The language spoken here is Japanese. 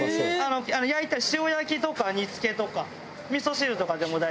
焼いたり塩焼きとか煮付けとかみそ汁とかでも大丈夫。